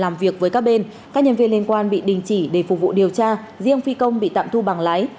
làm việc với các bên các nhân viên liên quan bị đình chỉ để phục vụ điều tra riêng phi công bị tạm thu bằng lái